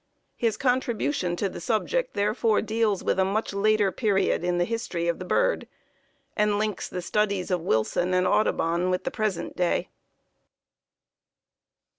His contribution to the subject therefore deals with a much later period in the history of the bird and links the studies of Wilson and Audubon with the present day.